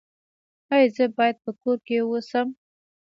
ایا زه باید په کور کې اوسم؟